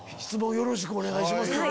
よろしくお願いします。